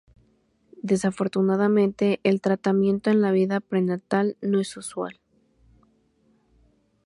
Desafortunadamente el tratamiento en la vida prenatal no es usual.